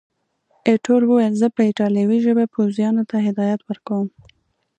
ایټور وویل، زه په ایټالوي ژبه پوځیانو ته هدایات ورکوم.